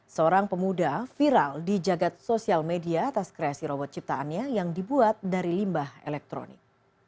seorang pemuda viral di jagad sosial media atas kreasi robot ciptaannya yang dibuat dari limbah elektronik